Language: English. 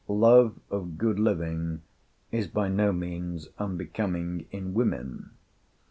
Love of good living is by no means unbecoming in women.